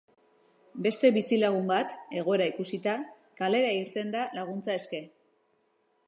Beste bizilagun bat, egoera ikusita, kalera irten da laguntza eske.